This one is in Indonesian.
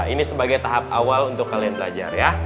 ini sebagai tahap awal untuk kalian belajar ya